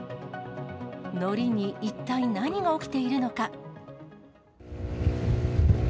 のりに一体何が起きているのか。